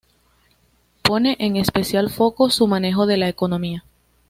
Pone en especial foco su manejo de la economía.